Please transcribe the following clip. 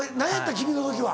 君の時は。